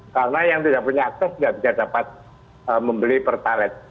karena yang tidak punya akses tidak bisa dapat membeli pertalite